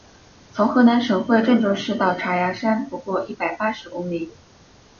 从河南省会郑州市到嵖岈山不过一百八十公里。